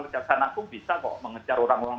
kerja sana kok bisa mengejar orang orang